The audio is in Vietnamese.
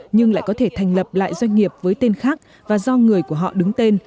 nhưng lại có thể thành lập lại doanh nghiệp với tên khác và do người của họ đứng tên